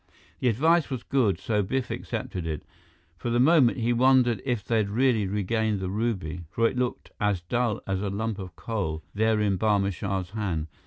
The advice was good, so Biff accepted it. For the moment, he wondered if they'd really regained the ruby, for it looked as dull as a lump of coal, there in Barma Shah's hand.